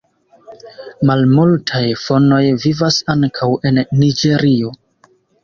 Malmultaj fonoj vivas ankaŭ en Niĝerio.